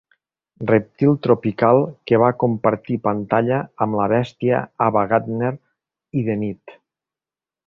Rèptil tropical que va compartir pantalla amb la bèstia Ava Gardner, i de nit.